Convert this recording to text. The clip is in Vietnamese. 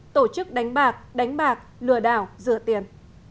tổ chức đánh bạc đánh bạc lừa đảo rửa tiền